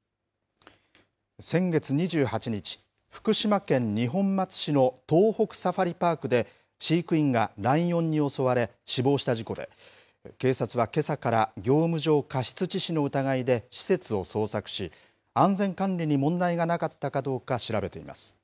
見直し案は、早ければ今月中に公先月２８日、福島県二本松市の東北サファリパークで、飼育員がライオンに襲われ死亡した事故で、警察はけさから業務上過失致死の疑いで施設を捜索し、安全管理に問題がなかったかどうか調べています。